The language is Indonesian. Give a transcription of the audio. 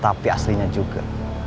tapi aslinya juga